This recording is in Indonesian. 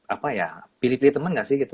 apa ya pilih pilih teman gak sih gitu